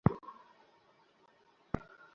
জ্বি, শিউর!